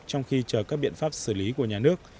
trong khi chờ các biện pháp xử lý của nhà nước